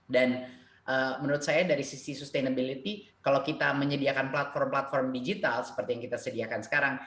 dan menurut saya dari sisi sustainability kalau kita menyediakan platform platform digital seperti yang kita sediakan sekarang